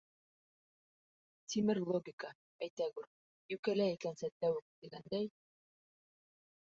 Тимер логика, әйтәгүр, йүкәлә икән сәтләүек, тигәндәй...